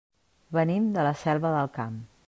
Venim de la Selva del Camp.